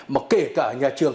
mà kể cả nhà trường